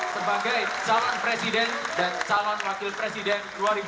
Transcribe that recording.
sebagai calon presiden dan calon wakil presiden dua ribu dua puluh